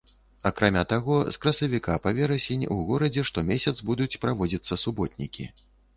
Акрамя таго з красавіка па верасень у горадзе штомесяц будуць праводзіцца суботнікі.